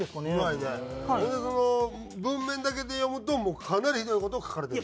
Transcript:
それで文面だけで読むとかなりひどい事を書かれてるの？